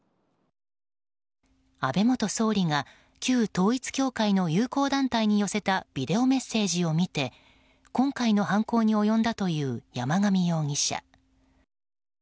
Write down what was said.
安倍元総理が旧統一教会の友好団体に寄せたビデオメッセージを見て今回の犯行に及んだという山上容疑者。